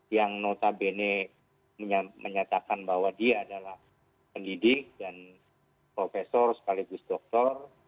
yang notabene menyatakan bahwa dia adalah pendidik dan profesor sekaligus doktor